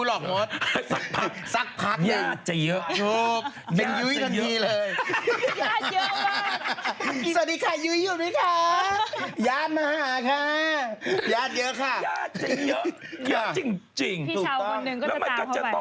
โอ้ยเก็บไว้เลยอ้อพี่ยังไม่รู้หรอกมด